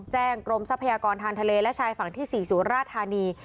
กรมทรัพยากรทางทะเลและชายฝั่งที่๔สุราธานี